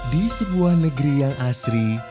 di sebuah negeri yang asri